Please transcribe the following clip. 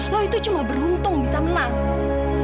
lo itu cuma beruntung bisa menang